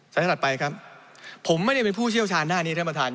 ถัดไปครับผมไม่ได้เป็นผู้เชี่ยวชาญด้านนี้ท่านประธาน